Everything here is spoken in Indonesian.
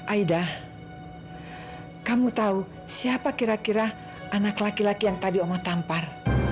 aida kamu tahu siapa kira kira anak laki laki yang tadi omo tampar